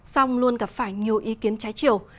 song luôn gặp phải nhiều ý kiến trái chiều